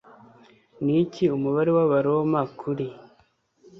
Niki Umubare w'Abaroma kuri